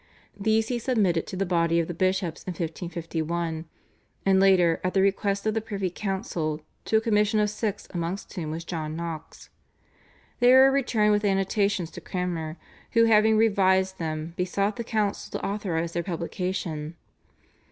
These he submitted to the body of the bishops in 1551, and later at the request of the privy council to a commission of six amongst whom was John Knox. They were returned with annotations to Cranmer, who having revised them besought the council to authorise their publication.